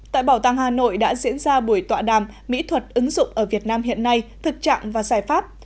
tại bảo tàng hà nội đã diễn ra buổi tọa đàm mỹ thuật ứng dụng ở việt nam hiện nay thực trạng và giải pháp